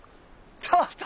ちょっと！